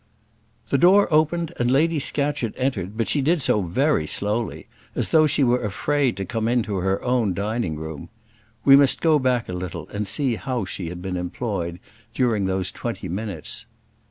The door opened and Lady Scatcherd entered; but she did so very slowly, as though she were afraid to come into her own dining room. We must go back a little and see how she had been employed during those twenty minutes.